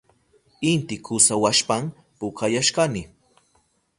Inti kusawashpan pukayashkani.